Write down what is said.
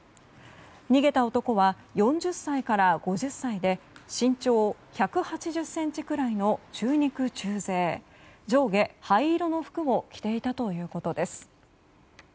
逃げた男は４０歳から５０歳で身長１８０ｃｍくらいの中肉中背上下灰色の服を着ていたということです。